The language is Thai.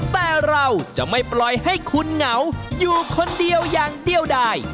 แต่เราจะไม่ปล่อยให้คุณเหงาอยู่คนเดียวอย่างเดียวได้